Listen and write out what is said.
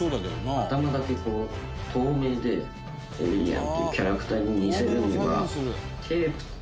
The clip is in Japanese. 頭だけ透明でエイリアンというキャラクターに似せるには。